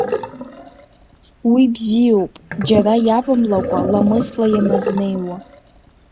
Уи бзиоуп џьара иавамлакәа ламысла ианазнеиуа.